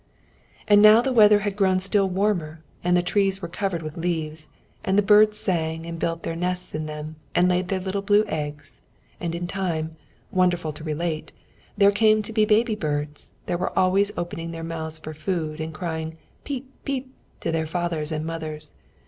And now the weather had grown still warmer and the trees were covered with leaves, and the birds sang and built their nests in them and laid their little blue eggs, and in time, wonderful to relate, there came baby birds, that were always opening their mouths for food, and crying "peep, peep," to their fathers and mothers.